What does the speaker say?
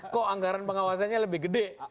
kok anggaran pengawasannya lebih gede